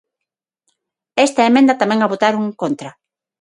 Esta emenda tamén a votaron en contra.